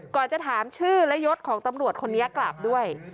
จะถามชื่อและยศของตำรวจคนนี้กลับด้วย